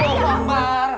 ya allah lembar